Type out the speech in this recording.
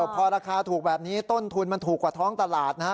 พอราคาถูกแบบนี้ต้นทุนมันถูกกว่าท้องตลาดนะฮะ